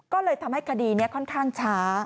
ก็เลยทำให้คดีนี้ค่อนข้างช้า